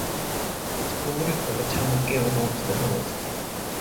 It is bordered by the town of Gilmore to the north.